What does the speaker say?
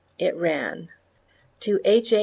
It ran: To H. A.